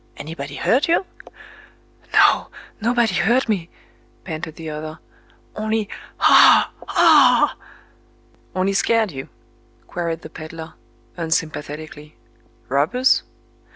Anybody hurt you?" "No—nobody hurt me," panted the other,—"only... Ah!—aa!" "—Only scared you?" queried the peddler, unsympathetically. "Robbers?"